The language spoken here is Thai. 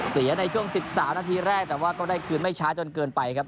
ในช่วง๑๓นาทีแรกแต่ว่าก็ได้คืนไม่ช้าจนเกินไปครับ